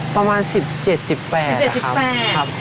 ประมาณ๑๗๑๘๗๘ครับ